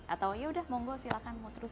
atau yaudah monggo silahkan mau terus